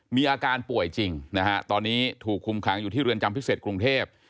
มีอาการป่วยจริงนะฮะตอนนี้ถูกคุมขังอยู่ที่เรือนจำพิเศษกรุงเทพ